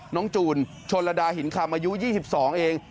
จูนชนระดาหินคำอายุ๒๒เอง